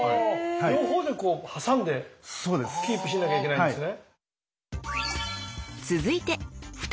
両方でこう挟んでキープしなきゃいけないんですね。